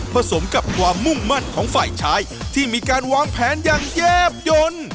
สมกับความมุ่งมั่นของฝ่ายชายที่มีการวางแผนอย่างแยบยนต์